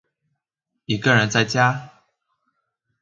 一個人在家